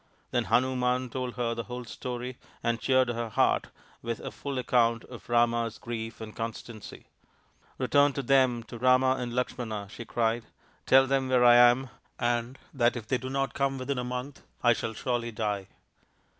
Then Hanuman told her the whole of the story and cheered her heart with a full account of Rama's grief and constancy. " Return to them to Rama and Lakshmana," she cried, " tell them where I am, and that if they do not come within a month I shall surely die."